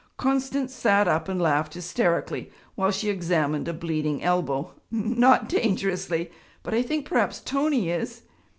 Constance sat up and laughed hysterically, while she examined a bleeding elbow. 'N no, not dangerously but I think perhaps Tony is.'